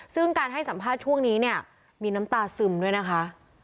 ซึ่งการให้สัมภาษณ์ช่วงนี้เนี่ยมีน้ำตาซึมด้วยนะคะ